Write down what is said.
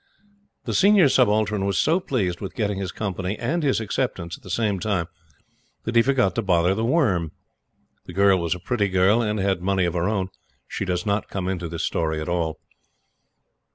The Senior Subaltern was so pleased with getting his Company and his acceptance at the same time that he forgot to bother The Worm. The girl was a pretty girl, and had money of her own. She does not come into this story at all.